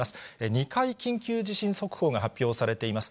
２回、緊急地震速報が発表されています。